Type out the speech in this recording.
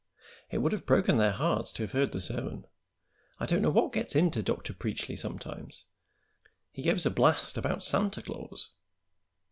"It would have broken their hearts to have heard the sermon. I don't know what gets into Dr. Preachly sometimes. He gave us a blast about Santa Claus."